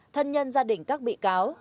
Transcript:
thân nhân gia đình các bị cáo